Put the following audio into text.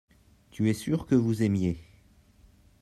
tu es sûr que vous aimiez.